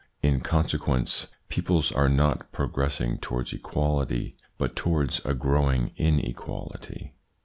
In consequence peoples are not progressing towards equality but towards a growing inequality.